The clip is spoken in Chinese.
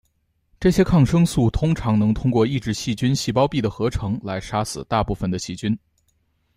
这些抗生素通常能通过抑制细菌细胞壁的合成来杀死大部分的细菌。